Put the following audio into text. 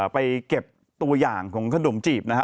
ไปเก็บตัวอย่างของขนมจีบนะฮะ